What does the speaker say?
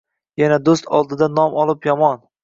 Yana do‘st oldida nom olib yomon